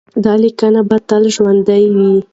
دا لیکنې به تل ژوندۍ وي.